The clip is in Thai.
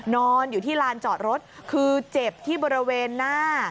นอนอยู่ที่ลานจอดรถคือเจ็บที่บริเวณหน้า